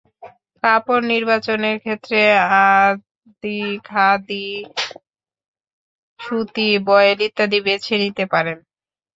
কাপড় নির্বাচনের ক্ষেত্রে আদ্দি, খাদি, সুতি, ভয়েল ইত্যাদি বেছে নিতে পারেন।